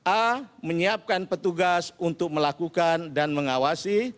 a menyiapkan petugas untuk melakukan dan mengawasi